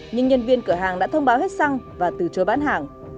nhưng nhân viên cửa hàng đã thông báo hết xăng và từ chối bán hàng